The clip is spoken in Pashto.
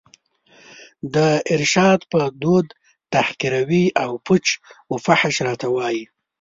د ارشاد په دود تحقیروي او پوچ و فحش راته وايي